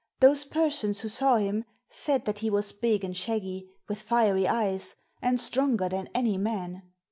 Those persons who saw him said that he was big and shaggy, with fiery eyes, and stronger than any man.